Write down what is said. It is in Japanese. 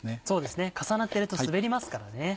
そうですね重なってると滑りますからね。